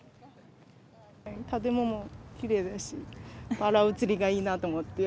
建物もきれいだし、バラ写りがいいなと思って。